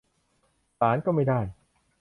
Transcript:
ศาลก็ไม่ได้